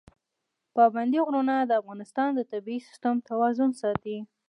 پابندی غرونه د افغانستان د طبعي سیسټم توازن ساتي.